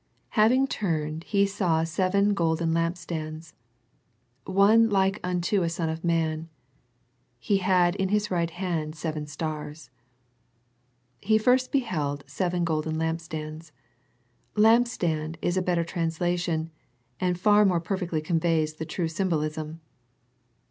" Having turned he saw seven golden lamp stands. ... One like unto a Son of man. ... He had in His right hand seven stars." He first beheld seven golden lampstands. " Lamp stand " is a better translation, and far more per fectly conveys the true symbolism.